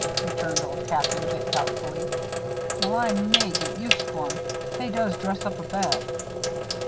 returned Old Captain, a bit doubtfully. "Well, I may get used to 'em. They does dress up a bed."